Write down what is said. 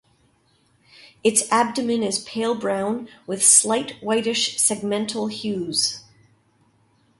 Its abdomen is pale brown with slight whitish segmental hues.